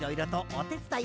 おてつだい？